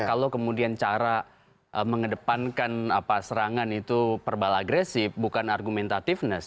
kalau kemudian cara mengedepankan serangan itu verbal agresif bukan argumentativeness